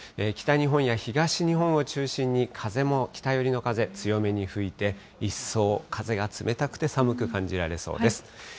北日本や東日本を中心に風も北寄りの風、強めに吹いて、一層風が冷たくて寒く感じられそうです。